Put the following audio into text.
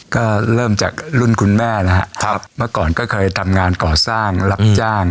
ก็เริ่มจากรุ่นคุณแม่นะครับเมื่อก่อนก็เคยทำงานก่อสร้างรับจ้าง